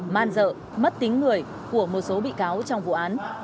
man dợ mất tính người của một số bị cáo trong vụ án